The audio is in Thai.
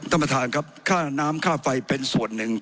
ผมจะขออนุญาตให้ท่านอาจารย์วิทยุซึ่งรู้เรื่องกฎหมายดีเป็นผู้ชี้แจงนะครับ